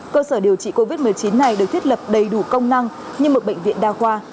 cơ sở điều trị covid một mươi chín này được thiết lập đầy đủ công năng như một bệnh viện đa khoa